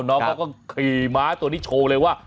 น้องเขาก็ขี่ม้าตัวนี้โชว์เลยว่า